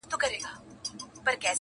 هم خالق یې هم سلطان یې د وگړو -